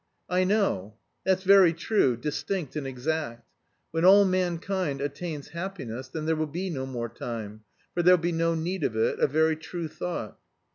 "I know. That's very true; distinct and exact. When all mankind attains happiness then there will be no more time, for there'll be no need of it, a very true thought."